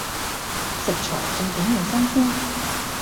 食材最緊要新鮮